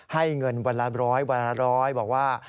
ให้เงินวันละร้อยวันละร้อยบอกว่า